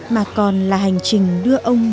mà còn là hành trình đưa ông